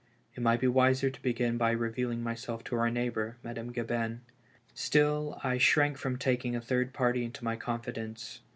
It might be wiser to begin by revealing myself to our neighbor, Madame Gabin; still, I shrank from taking a third party into my confidence.